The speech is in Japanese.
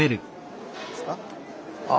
ああ